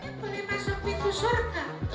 boleh masuk pintu surga